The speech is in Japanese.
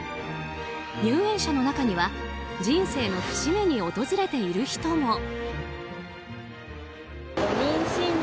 入園者の中には人生の節目に訪れている人も。